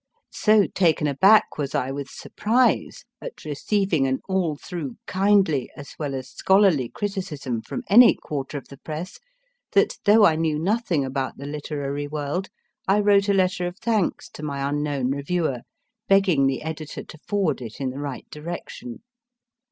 So taken aback was I with surprise at receiving an MARIE CORELLI 211 all through kindly, as well as scholarly, criticism from any quarter of the Press, that, though I knew nothing about the Literary World, I wrote a letter of thanks to my unknown reviewer, begging the editor to forward it in the right direction.